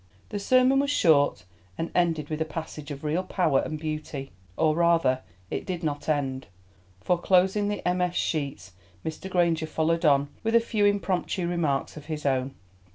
The sermon was short and ended with a passage of real power and beauty—or rather it did not end, for, closing the MS. sheets, Mr. Granger followed on with a few impromptu remarks of his own.